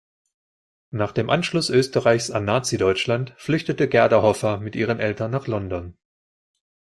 Nach dem Anschluss Österreichs an Nazideutschland flüchtete Gerda Hoffer mit ihren Eltern nach London.